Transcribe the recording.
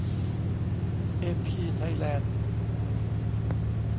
เอพี ไทยแลนด์